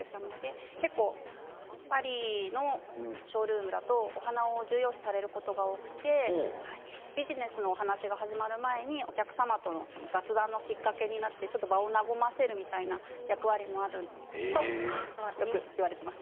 パリのショールームだとお花が重要視されることが多くてビジネスの話が始まる前にお客様との雑談のきっかけになって場を和ませるみたいな役割もあるとよく言われています。